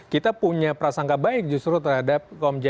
kita punya prasangka baik justru terhadap komjen